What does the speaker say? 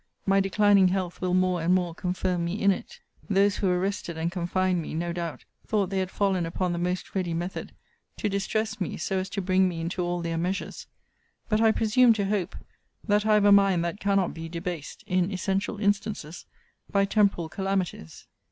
My declining health will more and more confirm me in it. Those who arrested and confined me, no doubt, thought they had fallen upon the most ready method to distress me so as to bring me into all their measures. But I presume to hope that I have a mind that cannot be debased, in essential instances, by temporal calamities.